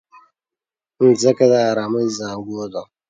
مځکه د ارامۍ زانګو ده.